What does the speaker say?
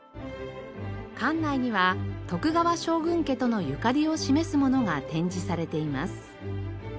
館内には徳川将軍家とのゆかりを示すものが展示されています。